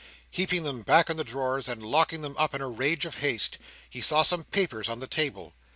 Heaping them back into the drawers, and locking them up in a rage of haste, he saw some papers on the table.